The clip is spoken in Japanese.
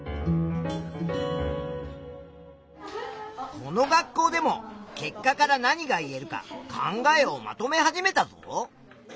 この学校でも結果から何が言えるか考えをまとめ始めたぞ。